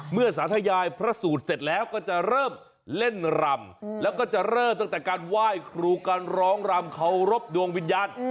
เมื่อสาธยายพระสูตรเสร็จแล้วก็จะเริ่มเล่นรำแล้วก็จะเริ่มตั้งแต่การไหว้ครูการร้องรำเคารพดวงวิญญาณ